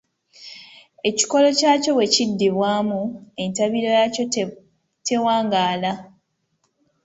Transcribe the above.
Ekikolo kyakyo bwe kiddibwamu entabiro yaakyo tewaangaala.